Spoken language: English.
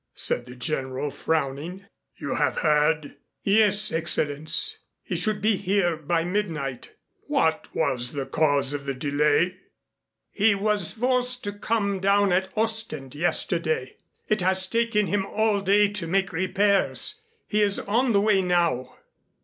said the General, frowning. "You have heard?" "Yes, Excellenz. He should be here by midnight." "What was the cause of the delay?" "He was forced to come down at Ostend, yesterday. It has taken him all day to make repairs. He is on the way now."